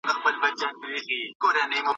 که استاد تجربه ونلري نو شاګرد ته ستونزه جوړېږي.